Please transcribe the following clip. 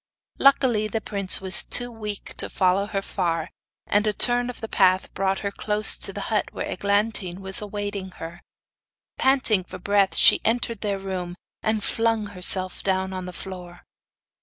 Luckily, the prince was too weak to follow her far, and a turn of a path brought her close to the hut, where Eglantine was awaiting her. Panting for breath, she entered their room, and flung herself down on the floor.